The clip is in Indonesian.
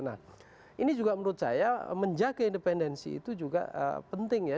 nah ini juga menurut saya menjaga independensi itu juga penting ya